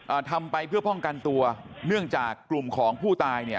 ทำไปเพื่อป้องกันตัวเนื่องจากกลุ่มของผู้ตายเนี่ย